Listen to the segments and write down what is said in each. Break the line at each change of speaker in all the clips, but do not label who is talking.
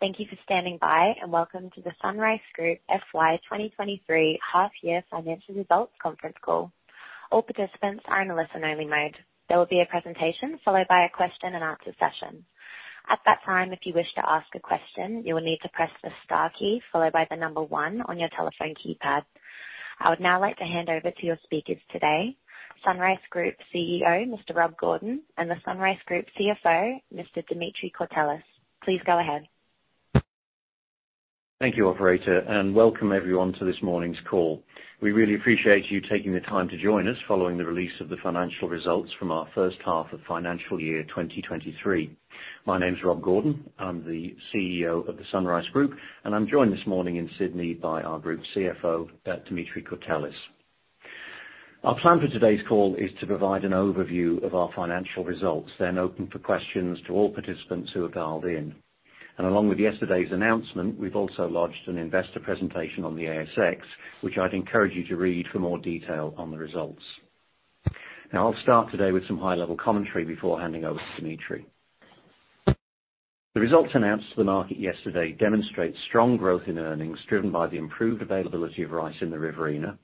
Thank you for standing by, and welcome to the SunRice Group FY 2023 Half-Year Financial Results Conference Call. All participants are in listen only mode. There will be a presentation followed by a question and answer session. At that time, if you wish to ask a question, you will need to press the Star key followed by one on your telephone keypad. I would now like to hand over to your speakers today, SunRice Group CEO, Mr. Rob Gordon, and the SunRice Group CFO, Mr. Dimitri Courtelis. Please go ahead.
Thank you, operator, and welcome everyone to this morning's call. We really appreciate you taking the time to join us following the release of the financial results from our first half of FY 2023. My name is Rob Gordon. I'm the CEO of the SunRice Group, and I'm joined this morning in Sydney by our Group CFO, Dimitri Courtelis. Our plan for today's call is to provide an overview of our financial results, then open for questions to all participants who are dialed in. Along with yesterday's announcement, we've also lodged an investor presentation on the ASX, which I'd encourage you to read for more detail on the results. I'll start today with some high-level commentary before handing over to Dimitri. The results announced to the market yesterday demonstrate strong growth in earnings, driven by the improved availability of rice in the Riverina,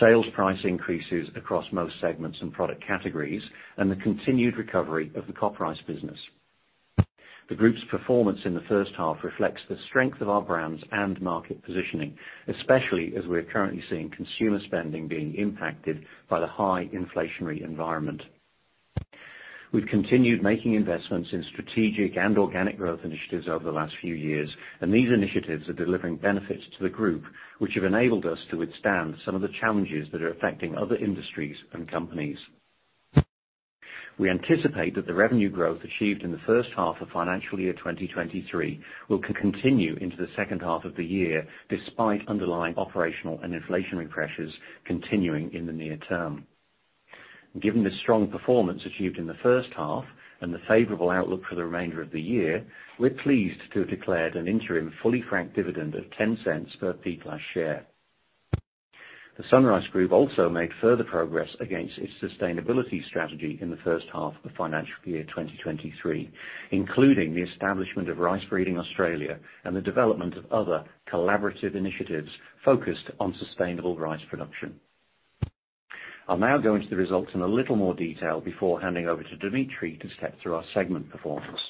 sales price increases across most segments and product categories, and the continued recovery of the Coprice business. The group's performance in the first half reflects the strength of our brands and market positioning, especially as we are currently seeing consumer spending being impacted by the high inflationary environment. We've continued making investments in strategic and organic growth initiatives over the last few years, and these initiatives are delivering benefits to the group which have enabled us to withstand some of the challenges that are affecting other industries and companies. We anticipate that the revenue growth achieved in the first half of FY 2023 will continue into the second half of the year, despite underlying operational and inflationary pressures continuing in the near term. Given the strong performance achieved in the first half and the favorable outlook for the remainder of the year, we're pleased to have declared an interim fully franked dividend of 0.10 per B Class Share. The SunRice Group also made further progress against its sustainability strategy in the first half of FY 2023, including the establishment of Rice Breeding Australia and the development of other collaborative initiatives focused on sustainable rice production. I'll now go into the results in a little more detail before handing over to Dimitri to step through our segment performance.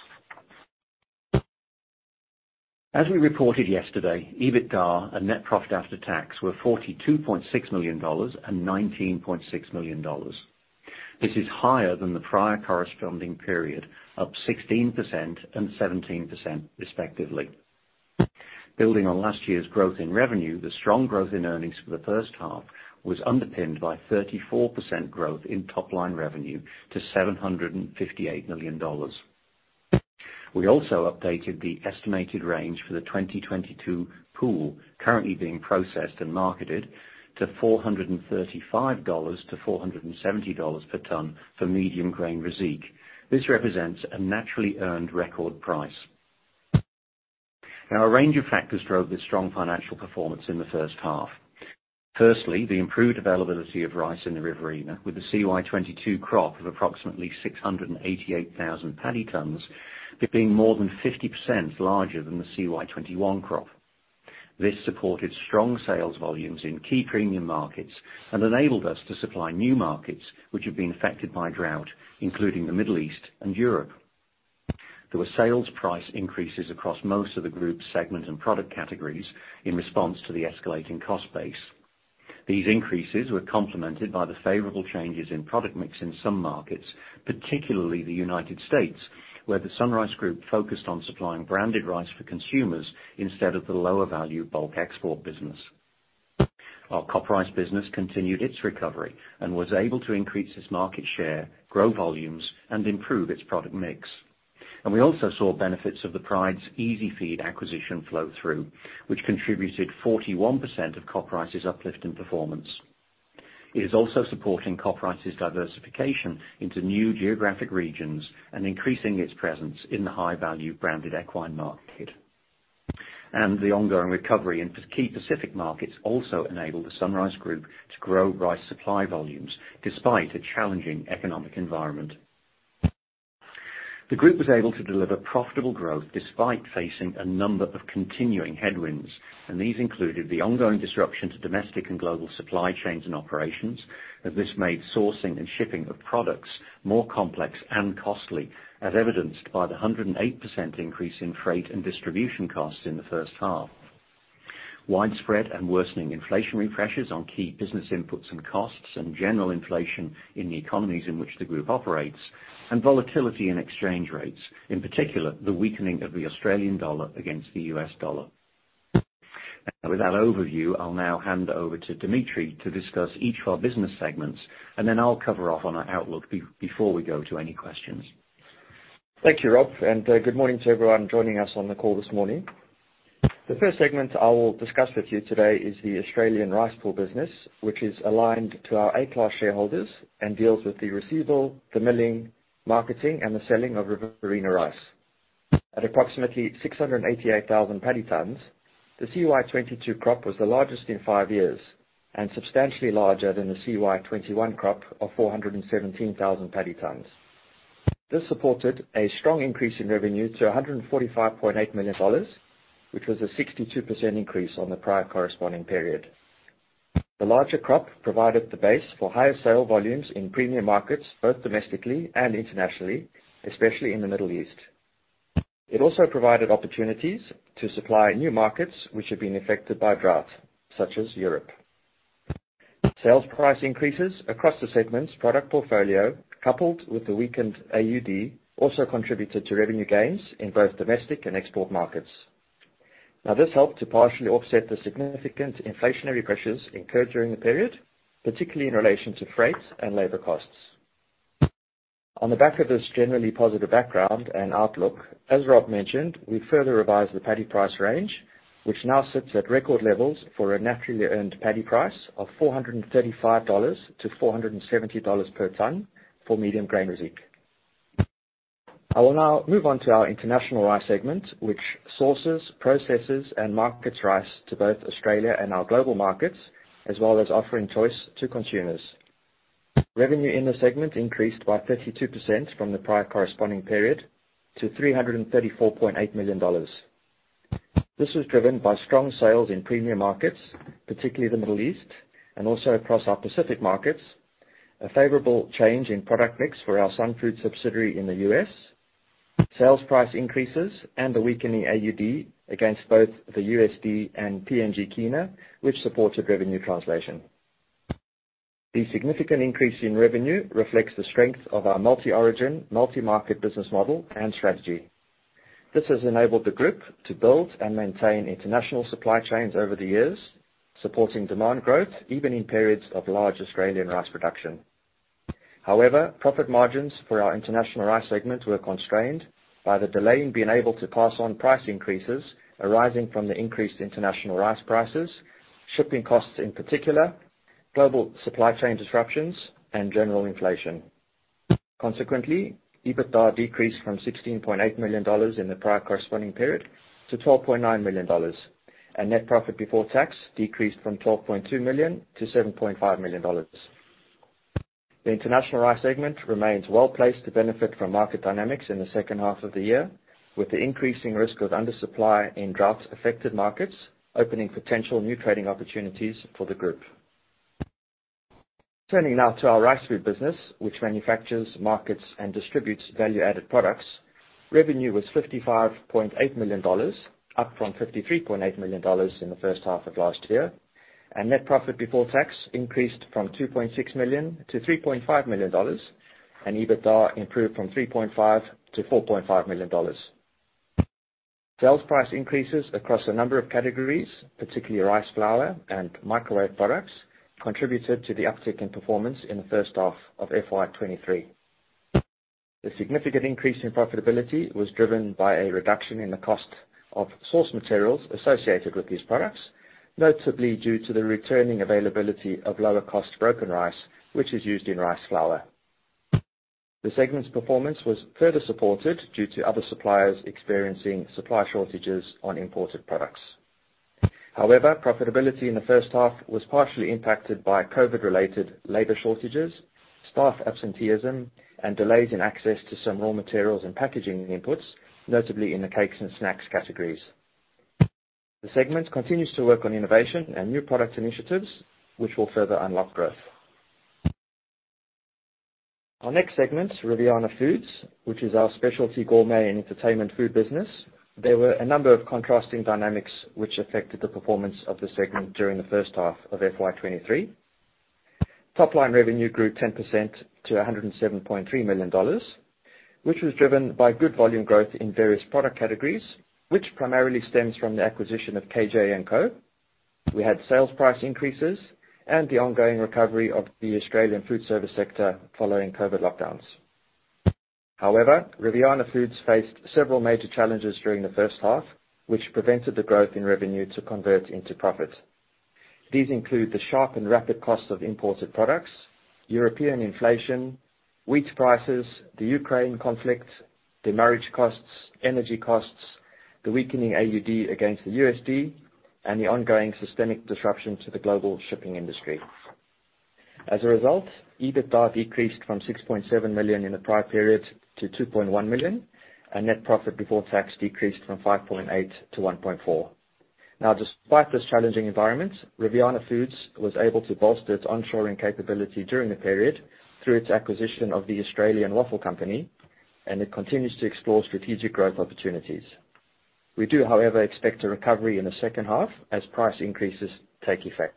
As we reported yesterday, EBITDA and net profit after tax were 42.6 million dollars and 19.6 million dollars. This is higher than the prior corresponding period, up 16% and 17% respectively. Building on last year's growth in revenue, the strong growth in earnings for the first half was underpinned by 34% growth in top-line revenue to 758 million dollars. We also updated the estimated range for the 2022 pool currently being processed and marketed to 435-470 dollars per ton for medium grain Reiziq. This represents a naturally earned record price. A range of factors drove this strong financial performance in the first half. Firstly, the improved availability of rice in the Riverina with the CY22 crop of approximately 688,000 paddy tons, being more than 50% larger than the CY21 crop. This supported strong sales volumes in key premium markets and enabled us to supply new markets which have been affected by drought, including the Middle East and Europe. There were sales price increases across most of the group segment and product categories in response to the escalating cost base. These increases were complemented by the favorable changes in product mix in some markets, particularly the United States, where the SunRice Group focused on supplying branded rice for consumers instead of the lower value bulk export business. Our Coprice business continued its recovery and was able to increase its market share, grow volumes, and improve its product mix. We also saw benefits of the Pryde's EasiFeed acquisition flow through, which contributed 41% of Coprice's uplift in performance. It is also supporting Coprice's diversification into new geographic regions and increasing its presence in the high-value branded equine market. The ongoing recovery in Pacific markets also enabled the SunRice Group to grow rice supply volumes despite a challenging economic environment. The group was able to deliver profitable growth despite facing a number of continuing headwinds, and these included the ongoing disruption to domestic and global supply chains and operations, as this made sourcing and shipping of products more complex and costly, as evidenced by the 108% increase in freight and distribution costs in the first half. Widespread and worsening inflationary pressures on key business inputs and costs and general inflation in the economies in which the group operates, and volatility in exchange rates, in particular, the weakening of the Australian dollar against the US dollar. With that overview, I'll now hand over to Dimitri to discuss each of our business segments, and then I'll cover off on our outlook before we go to any questions.
Thank you, Rob. Good morning to everyone joining us on the call this morning. The first segment I will discuss with you today is the Australian Rice Pool Business, which is aligned to our A Class Shareholders and deals with the receival, the milling, marketing, and the selling of Riverina rice. At approximately 688,000 paddy tonnes. The CY 2022 crop was the largest in five years and substantially larger than the CY 2021 crop of 417,000 paddy tons. This supported a strong increase in revenue to 145.8 million dollars, which was a 62% increase on the prior corresponding period. The larger crop provided the base for higher sale volumes in premium markets, both domestically and internationally, especially in the Middle East. It also provided opportunities to supply new markets which have been affected by drought, such as Europe. Sales price increases across the segment's product portfolio, coupled with the weakened AUD, also contributed to revenue gains in both domestic and export markets. This helped to partially offset the significant inflationary pressures incurred during the period, particularly in relation to freight and labor costs. On the back of this generally positive background and outlook, as Rob mentioned, we further revised the paddy price range, which now sits at record levels for a naturally earned paddy price of 435-470 dollars per tonne for medium grain rice. I will now move on to our International Rice segment, which sources, processes, and markets rice to both Australia and our global markets, as well as offering choice to consumers. Revenue in the segment increased by 32% from the prior corresponding period to 334.8 million dollars. This was driven by strong sales in premium markets, particularly the Middle East and also across our Pacific markets, a favorable change in product mix for our SunFoods subsidiary in the U.S., sales price increases, and the weakening AUD against both the USD and PNG kina, which supported revenue translation. The significant increase in revenue reflects the strength of our multi-origin, multi-market business model and strategy. This has enabled the group to build and maintain international supply chains over the years, supporting demand growth even in periods of large Australian rice production. Profit margins for our International Rice segment were constrained by the delay in being able to pass on price increases arising from the increased international rice prices, shipping costs in particular, global supply chain disruptions, and general inflation. Consequently, EBITDA decreased from 16.8 million dollars in the prior corresponding period to 12.9 million dollars. Net profit before tax decreased from 12.2 million to 7.5 million dollars. The International Rice segment remains well-placed to benefit from market dynamics in the second half of the year, with the increasing risk of undersupply in drought-affected markets, opening potential new trading opportunities for the group. Turning now to our Rice Food business, which manufactures, markets, and distributes value-added products. Revenue was 55.8 million dollars, up from 53.8 million dollars in the first half of last year. Net profit before tax increased from 2.6 million to 3.5 million dollars. EBITDA improved from 3.5 million to 4.5 million dollars. Sales price increases across a number of categories, particularly rice flour and microwave products, contributed to the uptick in performance in the first half of FY23. The significant increase in profitability was driven by a reduction in the cost of source materials associated with these products, notably due to the returning availability of lower-cost broken rice, which is used in rice flour. The segment's performance was further supported due to other suppliers experiencing supply shortages on imported products. However, profitability in the first half was partially impacted by COVID-related labor shortages, staff absenteeism, and delays in access to some raw materials and packaging inputs, notably in the cakes and snacks categories. The segment continues to work on innovation and new product initiatives which will further unlock growth. Our next segment, Riviana Foods, which is our specialty gourmet and entertainment food business. There were a number of contrasting dynamics which affected the performance of the segment during the first half of FY 2023. Top-line revenue grew 10% to 107.3 million dollars, which was driven by good volume growth in various product categories, which primarily stems from the acquisition of KJ&Co. We had sales price increases and the ongoing recovery of the Australian food service sector following COVID lockdowns. However, Riviana Foods faced several major challenges during the first half, which prevented the growth in revenue to convert into profit. These include the sharp and rapid cost of imported products, European inflation, wheat prices, the Ukraine conflict, demurrage costs, energy costs, the weakening AUD against the USD, and the ongoing systemic disruption to the global shipping industry. As a result, EBITDA decreased from 6.7 million in the prior period to 2.1 million, and net profit before tax decreased from 5.8 million to 1.4 million. Despite this challenging environment, Riviana Foods was able to bolster its onshoring capability during the period through its acquisition of the Australian Waffle Company, and it continues to explore strategic growth opportunities. We do, however, expect a recovery in the second half as price increases take effect.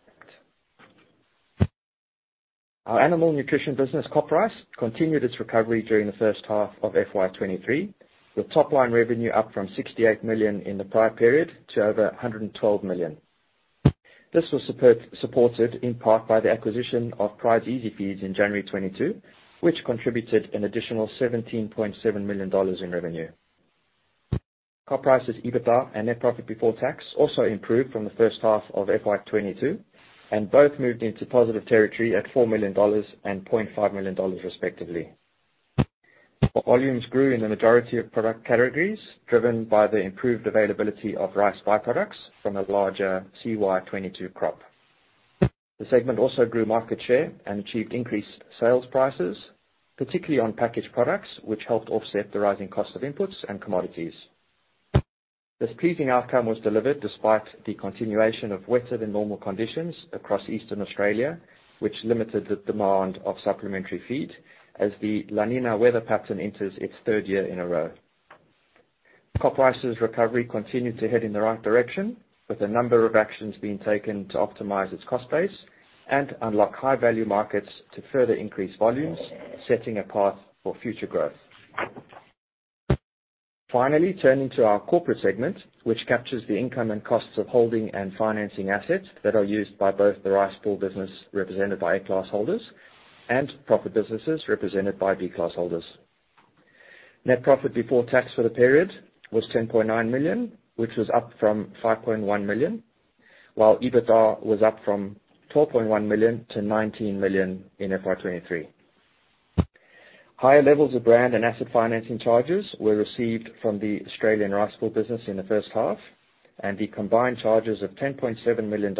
Our animal nutrition business, Coprice, continued its recovery during the first half of FY 2023, with top-line revenue up from 68 million in the prior period to over 112 million. This was supported in part by the acquisition of Pryde's EasiFeed in January 2022, which contributed an additional 17.7 million dollars in revenue. Coprice's EBITDA and net profit before tax also improved from the first half of FY 2022 and both moved into positive territory at 4 million dollars and 0.5 million dollars respectively. Our volumes grew in the majority of product categories, driven by the improved availability of rice byproducts from a larger CY 2022 crop. The segment also grew market share and achieved increased sales prices, particularly on packaged products, which helped offset the rising cost of inputs and commodities. This pleasing outcome was delivered despite the continuation of wetter than normal conditions across Eastern Australia, which limited the demand of supplementary feed as the La Niña weather pattern enters its third year in a row. Coprice's recovery continued to head in the right direction, with a number of actions being taken to optimize its cost base and unlock high-value markets to further increase volumes, setting a path for future growth. Turning to our corporate segment, which captures the income and costs of holding and financing assets that are used by both the Rice Pool Business, represented by A Class holders, and profit businesses, represented by B Class holders. Net profit before tax for the period was 10.9 million, which was up from 5.1 million, while EBITDA was up from 12.1 million to 19 million in FY23. Higher levels of brand and asset financing charges were received from the Australian Rice Pool Business in the first half. The combined charges of $10.7 million,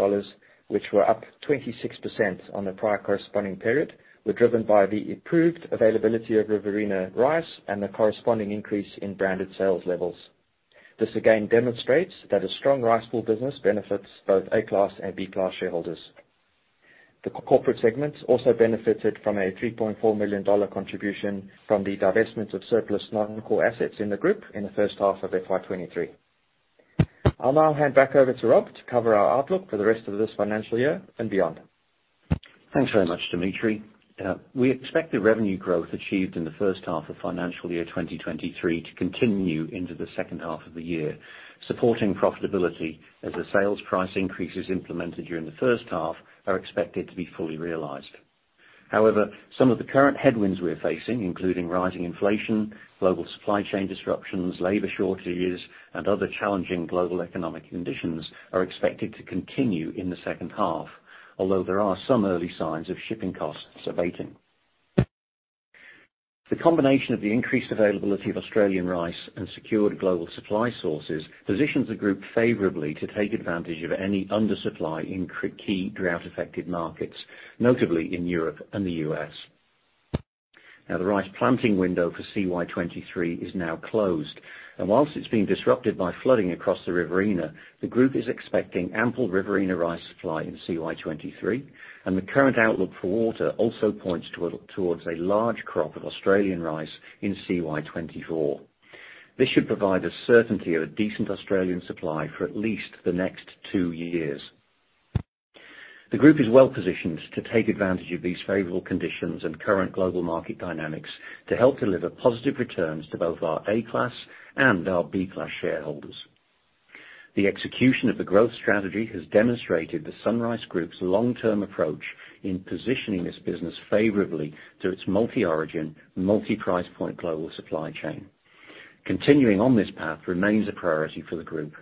which were up 26% on the prior corresponding period, were driven by the improved availability of Riverina rice and the corresponding increase in branded sales levels. This again demonstrates that a strong rice pool business benefits both A Class and B Class shareholders. The corporate segments also benefited from a $3.4 million contribution from the divestment of surplus non-core assets in the Group in the first half of FY 2023. I'll now hand back over to Rob to cover our outlook for the rest of this financial year and beyond.
Thanks very much, Dimitri. We expect the revenue growth achieved in the first half of financial year 2023 to continue into the second half of the year, supporting profitability as the sales price increases implemented during the first half are expected to be fully realized. Some of the current headwinds we're facing, including rising inflation, global supply chain disruptions, labor shortages, and other challenging global economic conditions, are expected to continue in the second half. There are some early signs of shipping costs abating. The combination of the increased availability of Australian rice and secured global supply sources positions the Group favorably to take advantage of any undersupply in key drought-affected markets, notably in Europe and the U.S. The rice planting window for CY 2023 is now closed, and whilst it's been disrupted by flooding across the Riverina, the Group is expecting ample Riverina rice supply in CY 2023, and the current outlook for water also points towards a large crop of Australian rice in CY 2024. This should provide a certainty of a decent Australian supply for at least the next two yea 20rs. The Group is well-positioned to take advantage of these favorable conditions and current global market dynamics to help deliver positive returns to both our A Class and our B Class shareholders. The execution of the growth strategy has demonstrated the SunRice Group's long-term approach in positioning this business favorably through its multi-origin, multi-price point global supply chain. Continuing on this path remains a priority for the Group.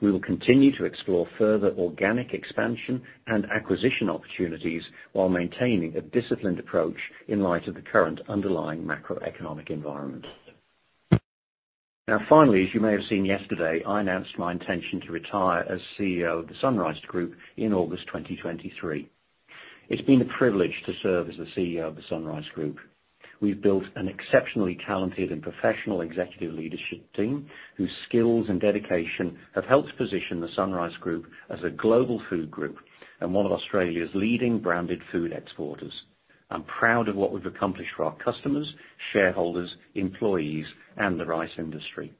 We will continue to explore further organic expansion and acquisition opportunities while maintaining a disciplined approach in light of the current underlying macroeconomic environment. Finally, as you may have seen yesterday, I announced my intention to retire as CEO of the SunRice Group in August 2023. It's been a privilege to serve as the CEO of the SunRice Group. We've built an exceptionally talented and professional executive leadership team whose skills and dedication have helped position the SunRice Group as a global food group and one of Australia's leading branded food exporters. I'm proud of what we've accomplished for our customers, shareholders, employees, and the rice industry.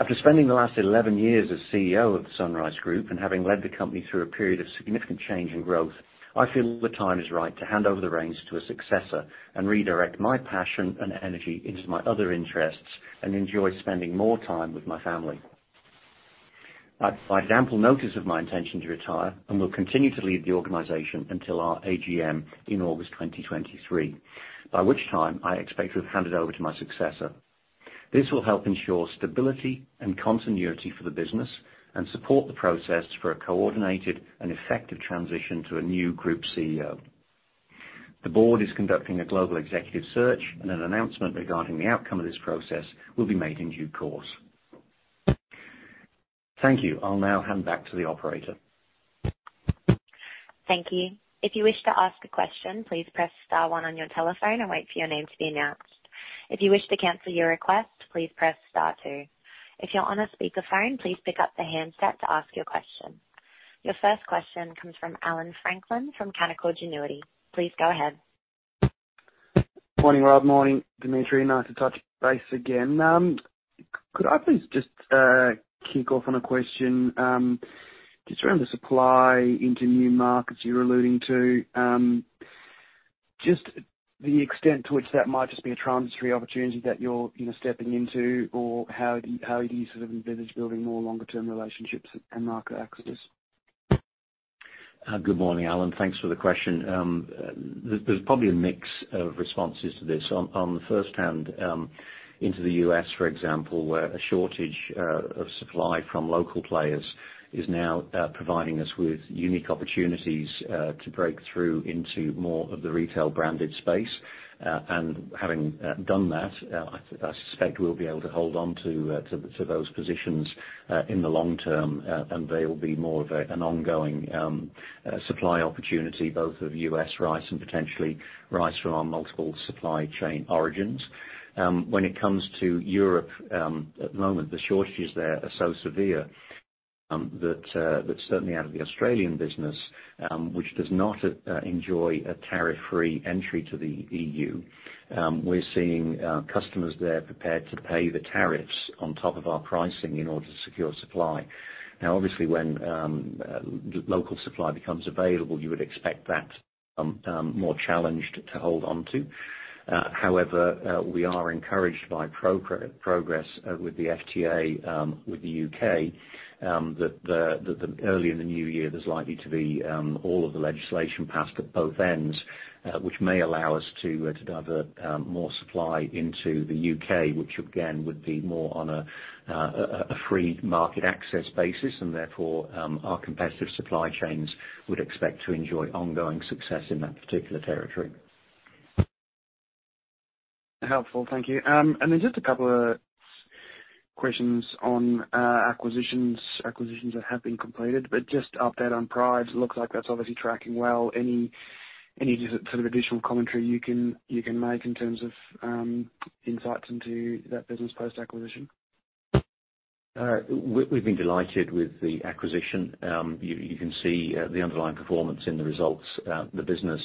After spending the last 11 years as CEO of the SunRice Group and having led the company through a period of significant change and growth, I feel the time is right to hand over the reins to a successor and redirect my passion and energy into my other interests and enjoy spending more time with my family. I've provided ample notice of my intention to retire and will continue to lead the organization until our AGM in August 2023, by which time I expect to have handed over to my successor. This will help ensure stability and continuity for the business and support the process for a coordinated and effective transition to a new Group CEO. The board is conducting a global executive search. An announcement regarding the outcome of this process will be made in due course. Thank you. I'll now hand back to the operator.
Thank you. If you wish to ask a question, please press star one on your telephone and wait for your name to be announced. If you wish to cancel your request, please press star two. If you're on a speakerphone, please pick up the handset to ask your question. Your first question comes from Allan Franklin from Canaccord Genuity. Please go ahead.
Morning, Rob. Morning, Dimitri. Nice to touch base again. Could I please just kick off on a question, just around the supply into new markets you're alluding to, just the extent to which that might just be a transitory opportunity that you're, you know, stepping into or how do you sort of envisage building more longer-term relationships and market access?
Good morning, Allan. Thanks for the question. There's probably a mix of responses to this. On the first hand, into the U.S., for example, where a shortage of supply from local players is now providing us with unique opportunities to break through into more of the retail branded space. And having done that, I suspect we'll be able to hold on to those positions in the long term, and they'll be more of an ongoing supply opportunity both of U.S. rice and potentially rice from our multiple supply chain origins. When it comes to Europe, at the moment, the shortages there are so severe, that certainly out of the Australian business, which does not enjoy a tariff-free entry to the EU, we're seeing customers there prepared to pay the tariffs on top of our pricing in order to secure supply. Obviously, when local supply becomes available, you would expect that more challenged to hold on to. However, we are encouraged by progress with the FTA with the UK, that the early in the new year, there's likely to be all of the legislation passed at both ends, which may allow us to to divert more supply into the UK, which again, would be more on a free market access basis and therefore, our competitive supply chains would expect to enjoy ongoing success in that particular territory.
Helpful. Thank you. Just a couple of questions on acquisitions that have been completed, but just update on Pryde's. Looks like that's obviously tracking well. Any sort of additional commentary you can make in terms of insights into that business post-acquisition?
We've been delighted with the acquisition. You can see the underlying performance in the results. The business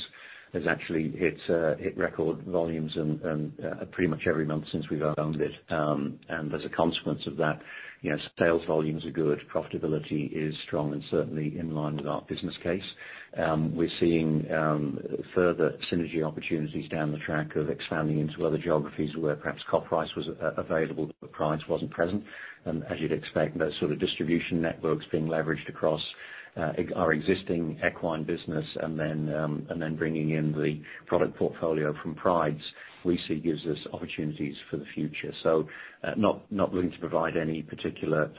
has actually hit record volumes in pretty much every month since we've owned it. As a consequence of that, you know, sales volumes are good, profitability is strong, and certainly in line with our business case. We're seeing further synergy opportunities down the track of expanding into other geographies where perhaps Coprice was available, but Pryde's wasn't present. As you'd expect, those sort of distribution networks being leveraged across our existing equine business and then bringing in the product portfolio from Pryde's we see gives us opportunities for the future. Not looking to provide any particular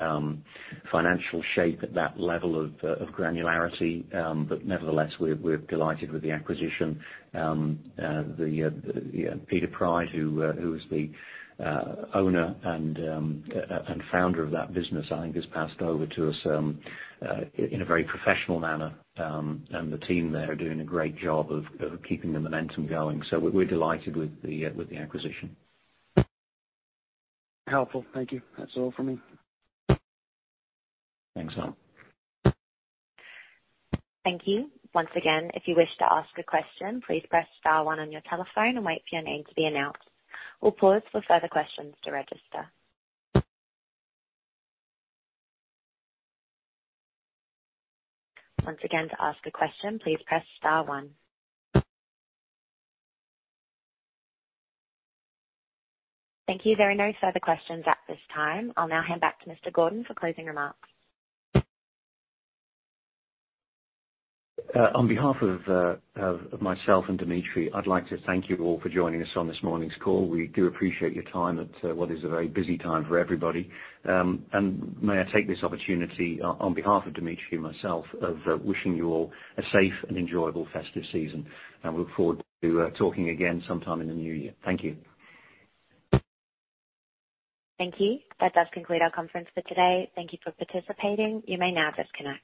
financial shape at that level of granularity, but nevertheless, we're delighted with the acquisition. The Peter Pryde, who is the owner and founder of that business, I think has passed over to us in a very professional manner. The team there are doing a great job of keeping the momentum going. We're delighted with the acquisition.
Helpful. Thank you. That's all for me.
Thanks, Allan.
Thank you. Once again, if you wish to ask a question, please press star one on your telephone and wait for your name to be announced. We'll pause for further questions to register. Once again, to ask a question, please press star one. Thank you. There are no further questions at this time. I'll now hand back to Mr. Gordon for closing remarks.
On behalf of myself and Dimitri, I'd like to thank you all for joining us on this morning's call. We do appreciate your time at what is a very busy time for everybody. May I take this opportunity on behalf of Dimitri and myself of wishing you all a safe and enjoyable festive season. We look forward to talking again sometime in the new year. Thank you.
Thank you. That does conclude our conference for today. Thank you for participating. You may now disconnect.